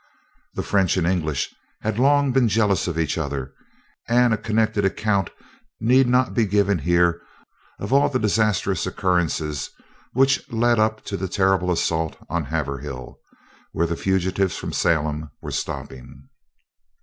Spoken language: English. The French and English had long been jealous of each other, and a connected account need not be given here of all the disastrous occurrences which lead up to the terrible assault on Haverhill, where the fugitives from Salem were stopping.